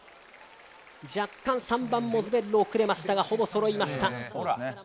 若干３番モズベッロ遅れましたがほぼそろいました。